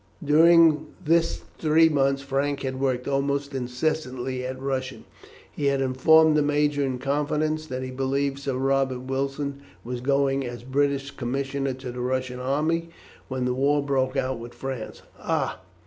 During this three months Frank had worked almost incessantly at Russian. He had informed the major in confidence that he believed Sir Robert Wilson was going as British Commissioner to the Russian army when the war broke out with France. "Ah!